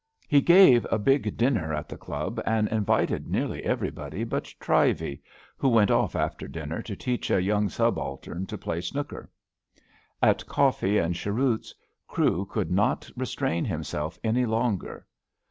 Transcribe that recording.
He gave a big dinner at the Club and invited nearly everybody but Trivey, who went off after dinner to teach a young sub altern to play snooker." At coffee and che roots, Crewe could not restrain himself any longer.